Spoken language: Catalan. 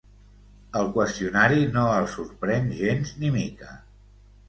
El qüestionari no el sorprèn gens ni mica.